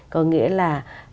có nghĩa là